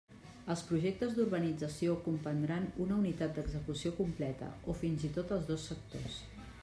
Els projectes d'urbanització comprendran una unitat d'execució completa o fins i tot els dos sectors.